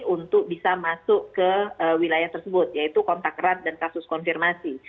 untuk bisa masuk ke wilayah tersebut yaitu kontak erat dan kasus konfirmasi